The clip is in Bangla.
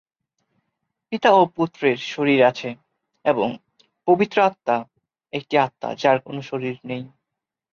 পিতা ও পুত্রের শরীর আছে এবং পবিত্র আত্মা একটি আত্মা যার কোন শরীর নেই।